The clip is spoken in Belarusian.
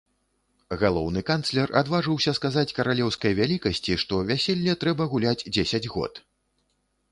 Галоўны канцлер адважыўся сказаць каралеўскай вялікасці, што вяселле трэба гуляць дзесяць год.